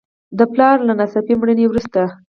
د پلار له ناڅاپي مړینې وروسته.